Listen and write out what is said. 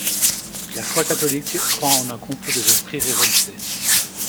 La foi catholique croit en un complot des esprits révoltés.